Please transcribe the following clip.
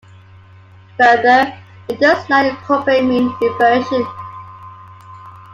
Further, it does not incorporate mean reversion.